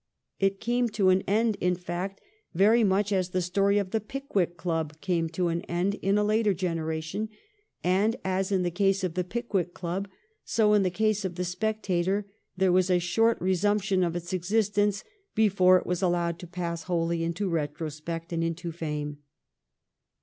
It came to an end, in fact, very much as the story of the Pickwick Club came to an end in a later generation, and as in the case of the Pickwick Club so in the case of ' The Spectator,' there was a short resumption of its exist ence before it was allowed to pass wholly into retrospect and into f^,me.